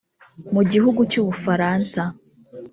Mu gihugu cy’u Bufaransa